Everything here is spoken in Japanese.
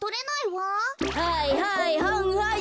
はいはいはんはい。